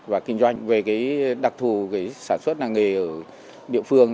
và kinh doanh về cái đặc thù sản xuất làng nghề ở địa phương